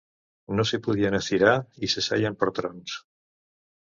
No s’hi podien estirar i s’asseien per torns.